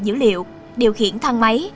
dữ liệu điều khiển thang máy